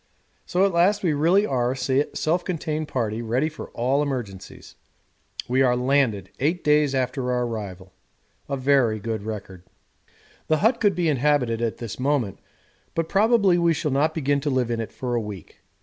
So at last we really are a self contained party ready for all emergencies. We are LANDED eight days after our arrival a very good record. The hut could be inhabited at this moment, but probably we shall not begin to live in it for a week.